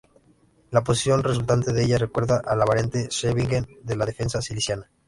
La posición resultante de ella recuerda a la variante Scheveningen de la defensa siciliana.